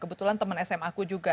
kebetulan teman sma aku juga